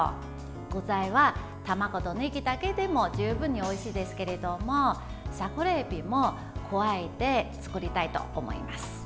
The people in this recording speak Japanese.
具材は卵とねぎだけでも十分においしいですけれども桜えびも加えて作りたいと思います。